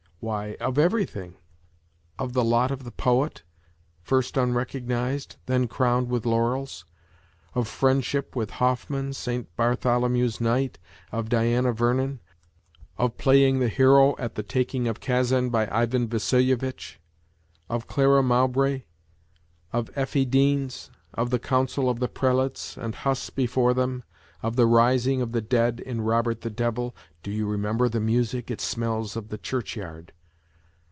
why, of everything ... of the lot of the poet, first un recognized, then crowned with laurels; of friendship with Hoffmann, St. Bartholomew's Night, of Diana Vernon, of play ing the hero at the taking of Kazan by Ivan Vassil yeviteh, of Clara Mowbray, of Effie Deans, of the council of the prelates and Huss before them, of the rising of the dead in ' Robert the Devil ' (do you remember the music, it smells of the church yard